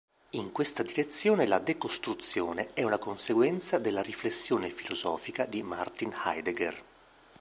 In questa direzione la decostruzione è una conseguenza della riflessione filosofica di Martin Heidegger.